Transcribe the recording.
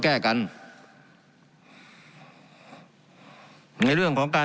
การปรับปรุงทางพื้นฐานสนามบิน